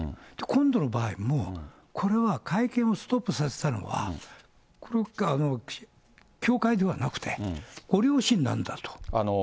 今度の場合も、これは、会見をストップさせたのは、教会ではなくて、ご両親なんだと。